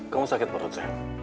kamu sakit perut sayang